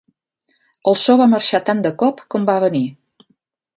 El so va marxar tant de cop com va venir.